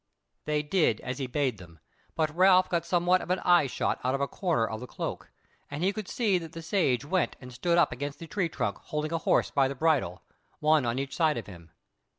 They did as he bade them, but Ralph got somewhat of an eye shot out of a corner of the cloak, and he could see that the Sage went and stood up against the tree trunk holding a horse by the bridle, one on each side of him.